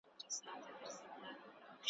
نو پردي به ورته